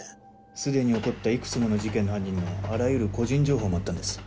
すでに起こったいくつもの事件の犯人のあらゆる個人情報もあったんです。